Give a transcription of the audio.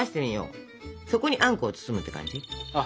そこにあんこを包むって感じ。